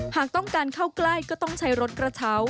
หากต้องการเข้าใกล้ก็ต้องใช้รถกระเช้า